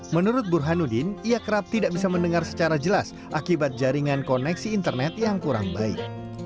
menurut burhanuddin ia kerap tidak bisa mendengar secara jelas akibat jaringan koneksi internet yang kurang baik